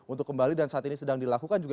untuk kembali dan saat ini sedang dilakukan juga